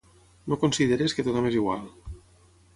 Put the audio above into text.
No consideris que tothom és igual.